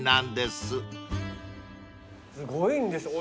すごいんですよ。